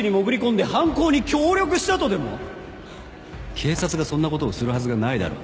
警察がそんなことをするはずがないだろう。